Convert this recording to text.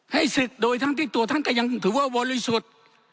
ให้ศึกโดยแทนที่ตัวท่านอย่างถือว่าวริสุทธิ์